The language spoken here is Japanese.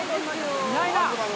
いないなぁ。